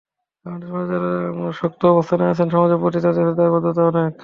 আমাদের সমাজে যাঁরা শক্ত অবস্থানে আছেন, সমাজের প্রতি তাঁদের দায়বদ্ধতা অনেক।